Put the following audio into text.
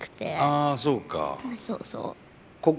あそうか。